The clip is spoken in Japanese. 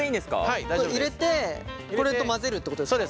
入れてこれと混ぜるってことですか？